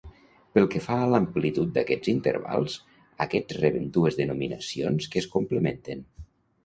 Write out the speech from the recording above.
Pel que fa a l'amplitud d'aquests intervals, aquests reben dues denominacions que es complementen.